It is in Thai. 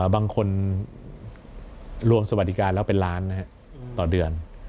บางคนรวมสวัสดิการแล้วเป็นล้านต่อเดือน